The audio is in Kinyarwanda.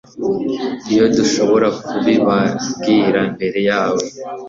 iyo dushobora kubibabwira imbere yawe